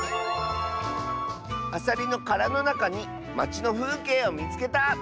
「アサリのからのなかにまちのふうけいをみつけた！」。